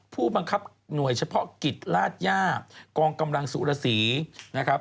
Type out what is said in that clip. ผู้บังคับหน่วยเฉพาะกิจราชย่ากองกำลังสุรสีนะครับ